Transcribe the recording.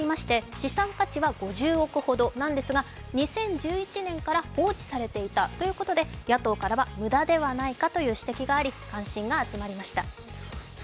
資産価値は５０億ほどなんですが２０１１年から放置されていたということで野党からは無駄ではないかという指摘があり、関心が集まりました。